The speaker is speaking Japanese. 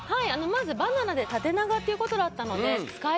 まずバナナで縦長っていうことだったので。